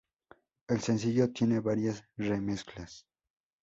El sencillo tiene varias remezclas.